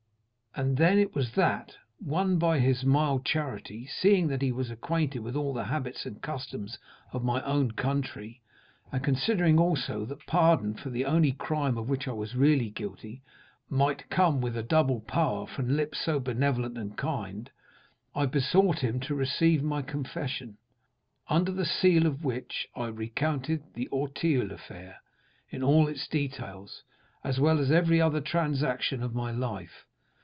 "And then it was that, won by his mild charity, seeing that he was acquainted with all the habits and customs of my own country, and considering also that pardon for the only crime of which I was really guilty might come with a double power from lips so benevolent and kind, I besought him to receive my confession, under the seal of which I recounted the Auteuil affair in all its details, as well as every other transaction of my life.